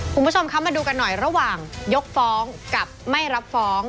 คุณผู้ชมคะมาดูกันหน่อยระหว่างยกฟ้องกับไม่รับฟ้อง